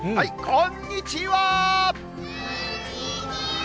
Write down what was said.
こんにちは。